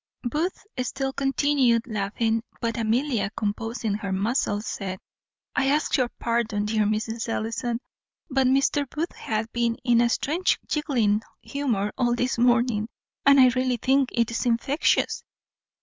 Booth still continued laughing; but Amelia, composing her muscles, said, "I ask your pardon, dear Mrs. Ellison; but Mr. Booth hath been in a strange giggling humour all this morning; and I really think it is infectious."